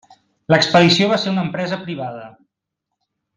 L'expedició va ser una empresa privada.